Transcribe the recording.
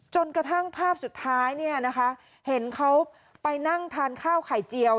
จนกระทั่งภาพสุดท้ายเนี่ยนะคะเห็นเขาไปนั่งทานข้าวไข่เจียว